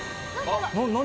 何？